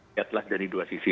lihatlah dari dua sisi